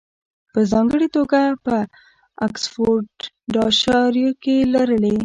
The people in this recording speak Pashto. په ځانګړې توګه په اکسفورډشایر کې یې لرلې